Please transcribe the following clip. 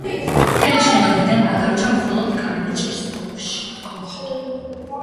მთელი შენობიდან გადარჩა მხოლოდ კარიბჭის კოშკი.